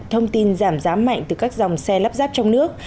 thông tin giảm giá mạnh từ các dòng xe lắp ráp trong nước